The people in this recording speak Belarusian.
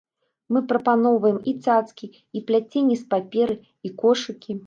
Мы прапаноўваем і цацкі, і пляценні з паперы, і кошыкі.